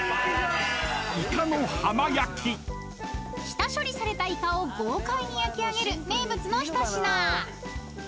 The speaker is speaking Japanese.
［下処理されたイカを豪快に焼きあげる名物の一品］